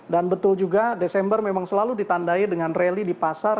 betul juga desember memang selalu ditandai dengan rally di pasar